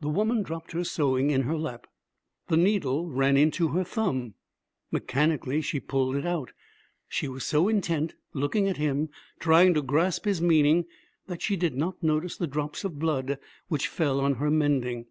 The woman dropped her sewing in her lap. The needle ran into her thumb. Mechanically, she pulled it out. She was so intent, looking at him, trying to grasp his meaning, that she did not notice the drops of blood which fell on her mending.